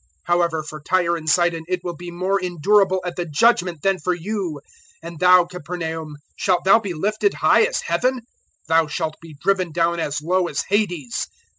010:014 However, for Tyre and Sidon it will be more endurable at the Judgement than for you. 010:015 And thou, Capernaum, shalt thou be lifted high as Heaven? Thou shalt be driven down as low as Hades.